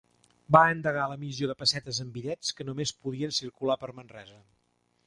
Va endegar l'emissió de pessetes en bitllets que només podien circular per Manresa.